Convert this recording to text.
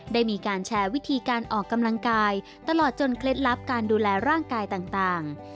ได้มีการแชร์วิธีการออกกำลังกายตลอดจนเคล็ดลับการดูแลร่างกายต่าง